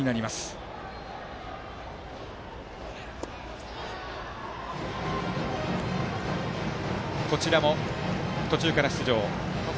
バッター、こちらも途中から出場